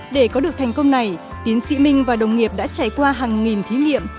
để có được thành công này tiến sĩ minh và đồng nghiệp đã trải qua hàng nghìn thí nghiệm